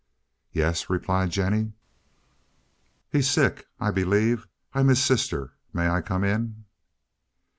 "Yes," replied Jennie. "He's sick, I believe. I'm his sister. May I come in?"